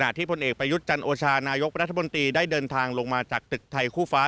ที่พลเอกประยุทธ์จันโอชานายกรัฐมนตรีได้เดินทางลงมาจากตึกไทยคู่ฟ้า